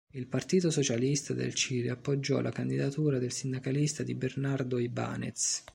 Il Partito Socialista del Cile appoggiò la candidatura del sindacalista di Bernardo Ibáñez.